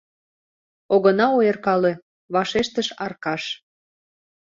Огына ойыркале, — вашештыш Аркаш.